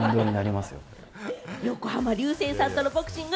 横浜流星さんとのボクシング